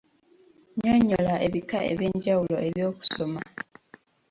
Nnyonnyola ebika eby'enjawulo eby'okusoma.